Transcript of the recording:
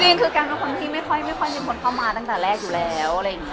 จริงกณเป็นคนที่ไม่ค่อยได้พบเข้ามาตั้งแต่แรกอยู่แล้ว